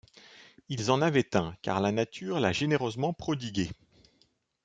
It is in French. Ils en avaient un, car la nature l’a généreusement prodigué